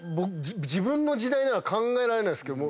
自分の時代なら考えられないですけど。